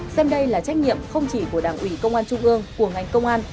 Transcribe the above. xem đây là trách nhiệm không chỉ của đảng ủy công an trung ương của ngành công an